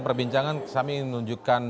perbincangan kami ingin menunjukkan